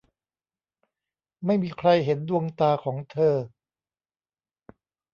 ไม่มีใครเห็นดวงตาของเธอ